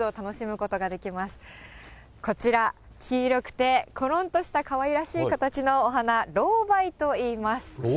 こちら、黄色くてころんとしたかわいらしい形のお花、ロウバイといいます。